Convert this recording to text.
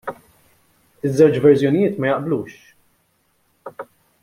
Iż-żewġ verżjonijiet ma jaqblux.